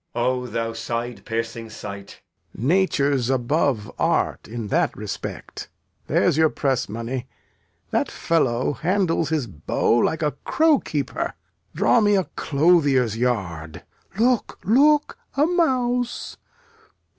Edg. O thou side piercing sight! Lear. Nature 's above art in that respect. There's your press money. That fellow handles his bow like a crow keeper. Draw me a clothier's yard. Look, look, a mouse!